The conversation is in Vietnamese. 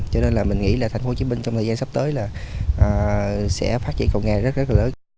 cho nên là mình nghĩ là thành phố hồ chí minh trong thời gian sắp tới là sẽ phát triển công nghệ rất rất là lớn